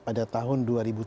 pada tahun dua ribu tujuh belas